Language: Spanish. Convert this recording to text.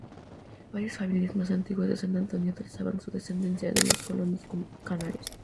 Varias familias más antiguas de San Antonio trazan su descendencia de los colonos canarios.